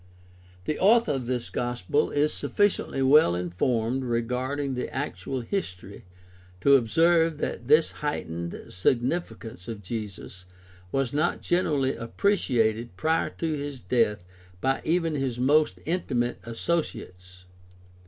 The author of this Gospel is sufficiently well informed regarding the actual history to observe that this heightened significance of Jesus was not generally appreciated prior to his death by even his most intimate associates (e.